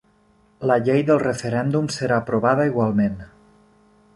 La llei del referèndum serà aprovada igualment